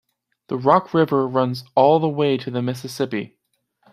The Rock River runs all the way to the Mississippi.